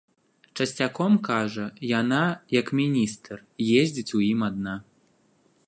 Часцяком, кажа, яна, як міністр, ездзіць у ім адна.